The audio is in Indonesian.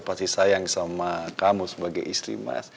pasti sayang sama kamu sebagai istri mas